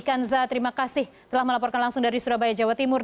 kanza terima kasih telah melaporkan langsung dari surabaya jawa timur